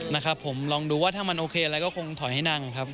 นะครับผมลองดูว่าถ้ามันโอเคอะไรก็คงถอยให้นั่งครับ